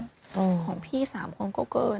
ของพี่๓คนก็เกิน